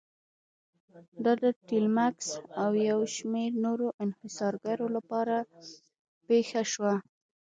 دا د ټیلمکس او یو شمېر نورو انحصارګرو لپاره پېښه شوه.